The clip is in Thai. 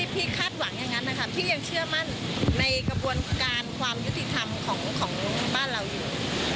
คาดหวังอย่างนั้นนะคะพี่ยังเชื่อมั่นในกระบวนการความยุติธรรมของบ้านเราอยู่